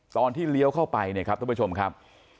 เลี้ยวเข้าไปเนี่ยครับท่านผู้ชมครับ